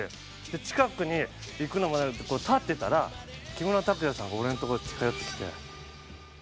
近くに行くのも立ってたら木村拓哉さんが俺のとこに近寄ってきて。